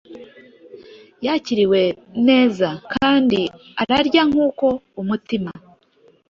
Yakiriwe neza kandi araryankuko umutima